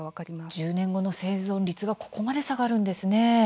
１０年後の生存率がここまで下がるんですね。